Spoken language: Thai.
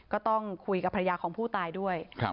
ก็ต้องคุยกับภรรยาของผู้ตายด้วย